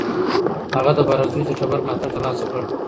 هغه د بارکزیو د ټبر ملاتړ ترلاسه کړ.